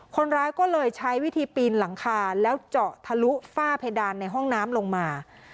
คนร้ายก็เลยใช้วิธีปีนหลังคาแล้วเจาะทะลุฝ้าเพดานในห้องน้ำลงมา